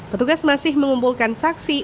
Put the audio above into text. petugas masih mengumpulkan saksi